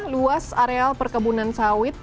luas areal perkebunan sawit